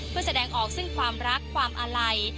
เพื่อแสดงออกซึ่งความรักความอาลัย